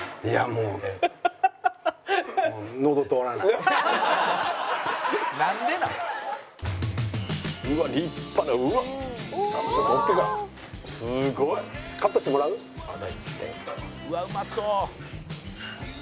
「うわっうまそう！」